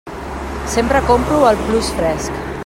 Sempre compro al Plus Fresc.